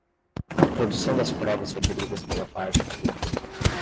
a produção das provas requeridas pela parte cujo